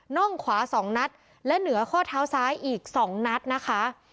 ่องขวา๒นัดและเหนือข้อเท้าซ้ายอีก๒นัดนะคะ